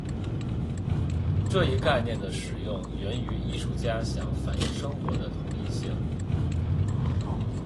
这一概念的使用源于艺术家想反映生活的统一性。